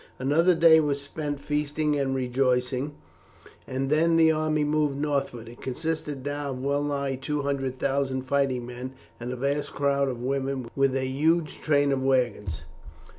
Another day was spent in feasting and rejoicing, and then the army moved northward. It consisted now of well nigh two hundred thousand fighting men, and a vast crowd of women, with a huge train of wagons.